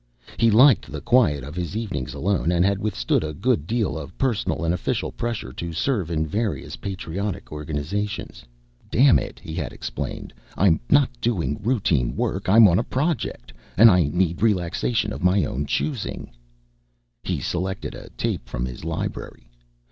He liked the quiet of his evenings alone and had withstood a good deal of personal and official pressure to serve in various patriotic organizations. "Damn it," he had explained, "I'm not doing routine work. I'm on a Project, and I need relaxation of my own choosing." He selected a tape from his library.